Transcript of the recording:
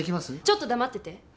ちょっと黙ってて。